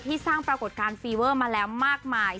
สร้างปรากฏการณ์ฟีเวอร์มาแล้วมากมาย